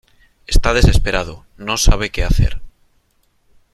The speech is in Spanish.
Está desesperado, no sabe qué hacer.